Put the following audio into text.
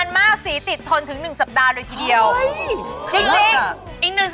มันต้องทิ้งไว้กี่ชั่วโมง